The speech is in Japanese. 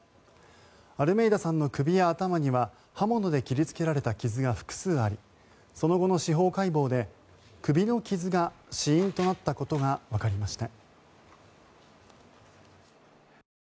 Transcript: アルメイダさんの首や頭には刃物で切りつけられた傷が複数ありその後の司法解剖で首の傷が死因となったことがわかりました。